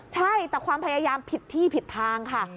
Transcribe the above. ใช่แต่ความพยายามผิดที่ผิดทางค่ะ